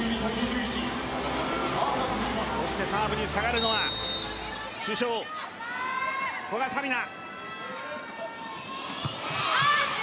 そしてサーブに下がるのは主将の古賀紗理那。